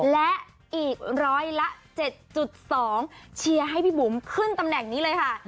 และอีกร้อยละ๗๒เชียร์ให้พี่บุ๋มขึ้นตำแหน่งนี้เลยค่ะ